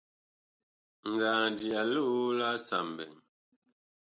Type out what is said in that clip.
Ngand ya loo laasa mɓɛɛŋ.